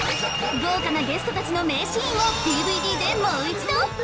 豪華なゲストたちの名シーンをＤＶＤでもう一度！